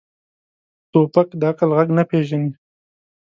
توپک د عقل غږ نه پېژني.